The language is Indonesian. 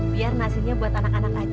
biar nasinya buat anak anak aja